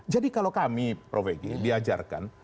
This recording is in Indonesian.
jadi kalau kami prof eg diajarkan